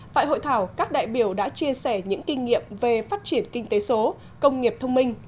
tại hội thảo các đại biểu đã chia sẻ những kinh nghiệm về phát triển kinh tế số công nghiệp thông minh